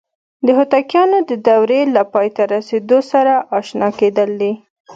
د هوتکیانو د دورې له پای ته رسیدو سره آشنا کېدل دي.